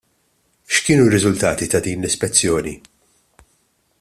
X'kienu r-riżultati ta' din l-ispezzjoni?